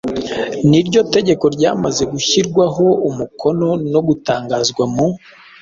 niryo tegeko ryamaze gushyirwaho umukono no gutangazwa mu